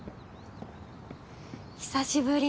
久しぶり！